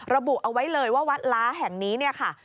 ระบุเอาไว้เลยว่าวัดล้าแห่งนี้เนี่ยค่ะ